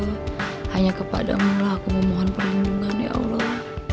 hanya kepadamulah aku memohon perlindungan ya allah